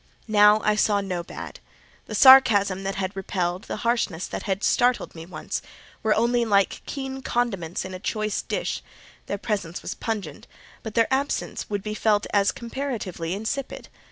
Now I saw no bad. The sarcasm that had repelled, the harshness that had startled me once, were only like keen condiments in a choice dish: their presence was pungent, but their absence would be felt as comparatively insipid.